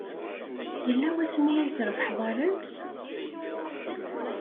Yella wasmi ay trebḥeḍ arraz?